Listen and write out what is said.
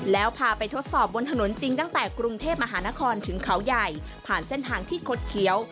แล้วพาไปทดสอบบนถนนจริงตั้งแต่กรุงเทพมหานครถึงเขาใหญ่ผ่านเส้นทางที่คดเขียว